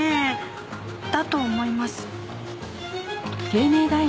だと思います。